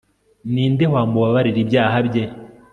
ni nde wamubabarira ibyaha bye